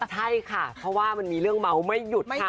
ใช่ค่ะเพราะว่ามันมีเรื่องเมาไม่หยุดค่ะ